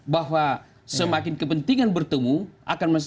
bahwa semakin kepentingan bertemu akan menjadi kepentingan